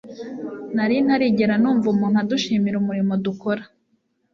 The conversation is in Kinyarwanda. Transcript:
nari ntarigera numva umuntu adushimira umurimo dukora